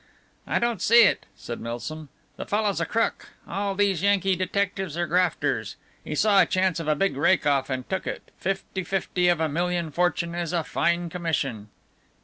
"I don't see it," said Milsom, "the fellow's a crook, all these Yankee detectives are grafters. He saw a chance of a big rake off and took it, fifty fifty of a million fortune is fine commission!"